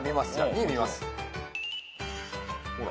２見ます。